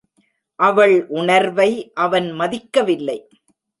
அவள் உணர்வை அவன் மதிக்கவில்லை.